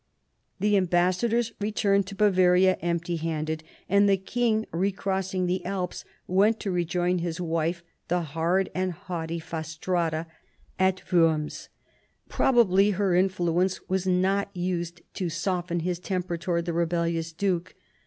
The ambassadors returned to Bavaria empty handed : and the king, recrossing the Alps, went to rejoin his wife, the hard and haughty Fastrada, at Worms. Probably her influence was not used to soft en his temper towards the rebellious duke.